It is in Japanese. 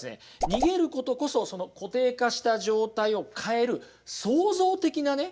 逃げることこそその固定化した状態を変える創造的なね